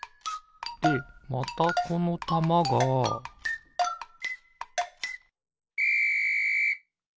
でまたこのたまがピッ！